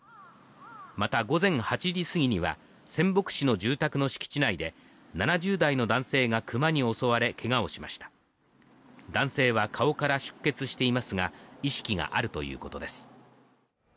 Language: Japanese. また午前８時過ぎには仙北市の住宅の敷地内で７０代の男性がクマに襲われけがをしました男性は顔から出血していますが意識はあるということです